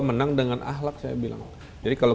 menang dengan ahlak saya bilang jadi kalau